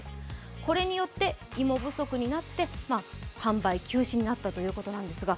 これによって芋不足になって販売休止となったということです。